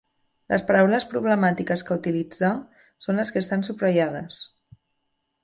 Les paraules problemàtiques que utilitzà són les que estan subratllades.